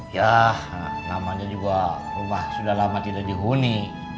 ya namanya juga rumah sudah lama tidak dihuni